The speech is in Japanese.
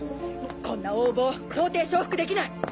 こんな横暴到底承服できない！